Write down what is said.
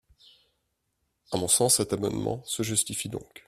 À mon sens, cet amendement se justifie donc.